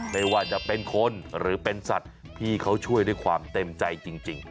ไม่ว่าจะเป็นคนหรือเป็นสัตว์พี่เขาช่วยด้วยความเต็มใจจริง